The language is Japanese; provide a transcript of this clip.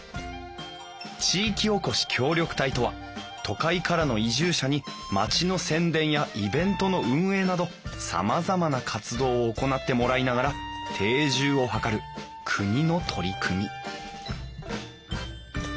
地域おこし協力隊とは都会からの移住者に町の宣伝やイベントの運営などさまざまな活動を行ってもらいながら定住を図る国の取り組み